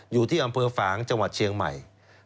อยู่ที่อำเภอฝางจังหวัดเชียงใหม่